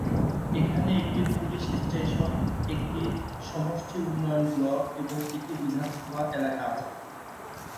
এখানে একটি police station, একটি সমষ্টি উন্নয়ন ব্লক এবং একটি বিধানসভা এলাকা আছে।